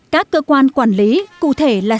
các cơ quan quản lý cụ thể là